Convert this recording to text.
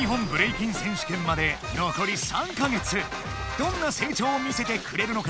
どんなせい長を見せてくれるのか